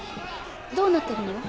どうなってるの？